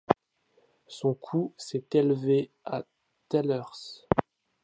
Son coût s'est élevé à thalers.